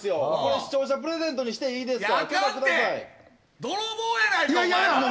視聴者プレゼントにしていいですか？